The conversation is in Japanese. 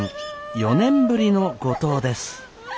４年ぶりの五島です。